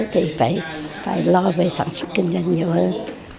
thì phải lo về sản xuất kinh doanh nhiều hơn